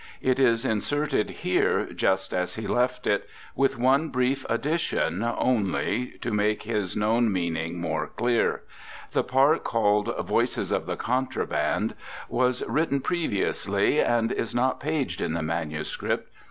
It is inserted here just as he left it, with one brief addition only to make his known meaning more clear. The part called "Voices of the Contraband" was written previously, and is not paged in the manuscript.